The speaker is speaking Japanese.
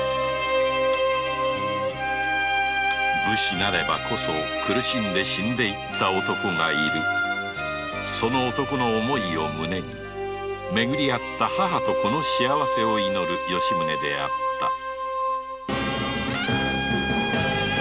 武士なればこそ苦しんで死んでいった男がいるその男の思いを胸にめぐり会った母と子の幸せを祈る吉宗であった